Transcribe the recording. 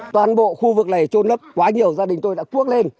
toàn bộ khu vực này trôn lấp quá nhiều gia đình tôi đã cuốc lên